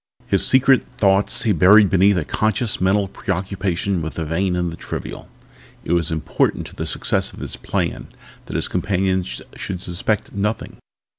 His secret thoughts he buried beneath a continuous mental preoccupation with the vain and the trivial. It was important to the success of his plan that his companions should suspect nothing.